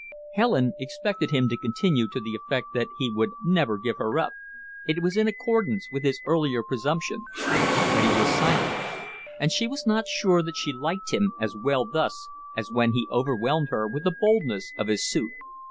Helen expected him to continue to the effect that he would never give her up it was in accordance with his earlier presumption but he was silent; and she was not sure that she liked him as well thus as when he overwhelmed her with the boldness of his suit.